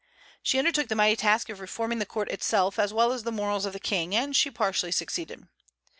She undertook the mighty task of reforming the court itself, as well as the morals of the King; and she partially succeeded.